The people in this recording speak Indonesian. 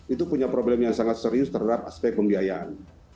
itu punya problem yang sangat serius terhadap aspek pembiayaan